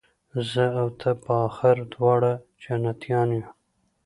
زه او ته به آخر دواړه جنتیان یو